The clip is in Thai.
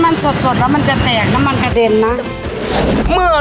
อันนี้เกลือ